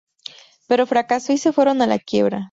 Pero fracasó y se fueron a la quiebra.